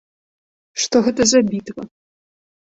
Што гэта за бітва?